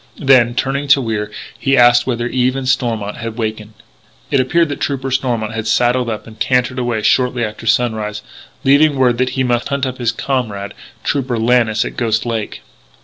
Then, turning to Wier, he asked whether Eve and Stormont had awakened. It appeared that Trooper Stormont had saddled up and cantered away shortly after sunrise, leaving word that he must hunt up his comrade, Trooper Lannis, at Ghost Lake.